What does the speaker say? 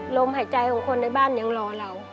ลมหายใจของคนในบ้านยังรอเรา